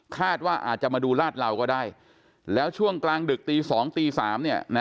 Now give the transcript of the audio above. คาดว่าอาจจะมาดูราชราวก็ได้แล้วช่วงกลางดึกตี๒๓เนี่ย